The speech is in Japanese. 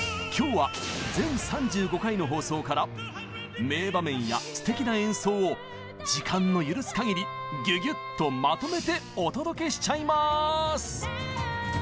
今日は全３５回の放送から名場面やすてきな演奏を時間の許す限りギュギュッとまとめてお届けしちゃいます！